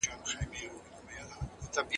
نه ساحل پېژني